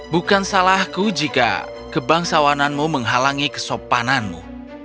bukan salahku jika kebangsawananmu menghalangi kesopananmu